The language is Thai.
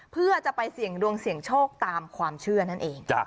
เพื่อจะไปเสี่ยงดวงเสี่ยงโชคตามความเชื่อนั่นเอง